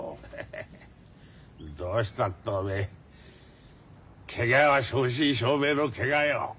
どうしたっておめえケガは正真正銘のケガよ。